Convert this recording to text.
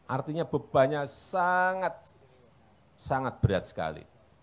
artinya bebannya sangat sangat berat sekali